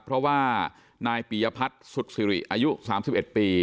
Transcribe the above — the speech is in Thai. เพราะว่านายปียพัฒน์สุดสิริอายุสามสิบเอ็ดปี